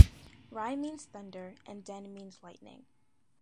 "Rai" means thunder, and "den" means lightning.